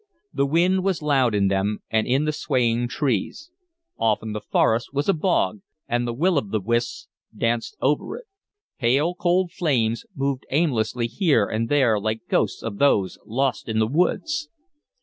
The wind was loud in them and in the swaying trees. Off in the forest was a bog, and the will o' the wisps danced over it, pale, cold flames, moving aimlessly here and there like ghosts of those lost in the woods.